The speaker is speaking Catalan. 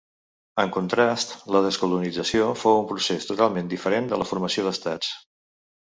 En contrast, la descolonització fou un procés totalment diferent de la formació d'estats.